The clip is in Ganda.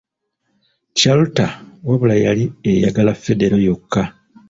Chalter wabula yali eyagala Federo yokka.